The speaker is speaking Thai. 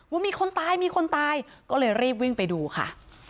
ว่ามีคนตายมีคนตายก็เลยรีบวิ่งไปดูค่ะ